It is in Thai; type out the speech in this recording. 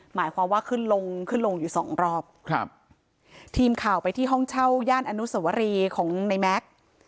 หมายความว่าขึ้นลงขึ้นลงอยู่สองรอบครับทีมข่าวไปที่ห้องเช่าย่านอนุสวรีของในแม็กซ์